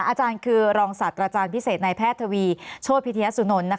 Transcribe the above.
อาจารย์คือรองศัตริย์อาจารย์พิเศษในแพทย์ทวีโชพิเทียสุนน